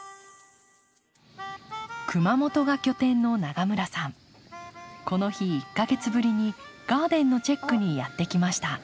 熊本が拠点の永村さんこの日１か月ぶりにガーデンのチェックにやって来ました。